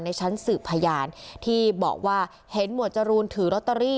ชั้นสืบพยานที่บอกว่าเห็นหมวดจรูนถือลอตเตอรี่